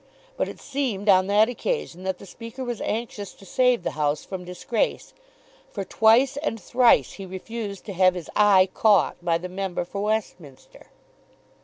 But it seemed on that occasion that the Speaker was anxious to save the House from disgrace; for twice and thrice he refused to have his "eye caught" by the member for Westminster.